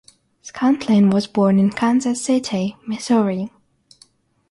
Scantlin was born in Kansas City, Missouri.